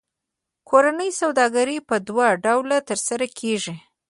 کورنۍ سوداګري په دوه ډوله ترسره کېږي